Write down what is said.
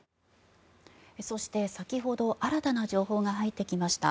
そして、先ほど新たな情報が入ってきました。